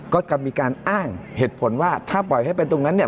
ก็จะมีการอ้างเหตุผลว่าถ้าปล่อยให้เป็นตรงนั้นเนี่ย